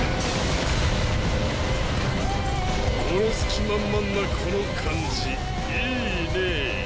殺す気満々なこの感じいいねぇ。